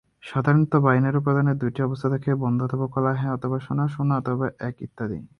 সাধারণত বাইনারি উপাদানের দুটি অবস্থা থাকে; বন্ধ অথবা খোলা, হ্যাঁ অথবা না, শুন্য অথবা এক ইত্যাদি।